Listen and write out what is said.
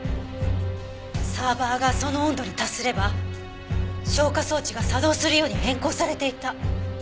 サーバーがその温度に達すれば消火装置が作動するように変更されていた。